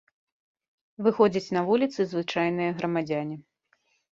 Выходзяць на вуліцы звычайныя грамадзяне.